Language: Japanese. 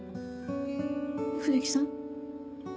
藤木さん？